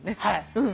はい。